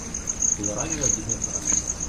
Була рання обідня пора.